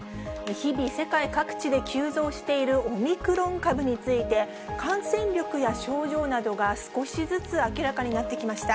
日々、世界各地で急増しているオミクロン株について、感染力や症状などが少しずつ明らかになってきました。